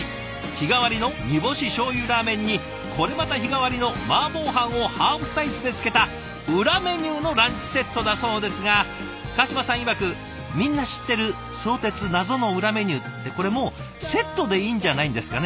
日替わりの煮干ししょうゆラーメンにこれまた日替わりのマーボー飯をハーフサイズでつけた裏メニューのランチセットだそうですが川島さんいわく「みんな知ってる相鉄謎の裏メニュー」ってこれもうセットでいいんじゃないんですかね？